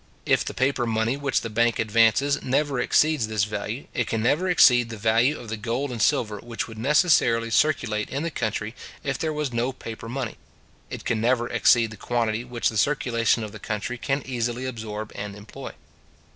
If the paper money which the bank advances never exceeds this value, it can never exceed the value of the gold and silver which would necessarily circulate in the country if there was no paper money; it can never exceed the quantity which the circulation of the country can easily absorb and employ.